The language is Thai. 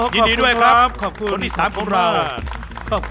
ยินดีด้วยครับคนที่๓ของเรา